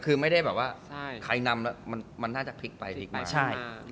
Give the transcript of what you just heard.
คือไม่ได้แบบว่าใครนำแล้วมันน่าจะพลิกไปมา